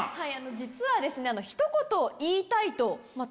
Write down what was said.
実はですね。